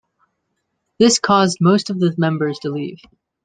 This caused most of the members to leave.